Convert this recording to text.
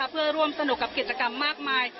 เพื่อร่วมสนุกกับกิจกรรมมากมาย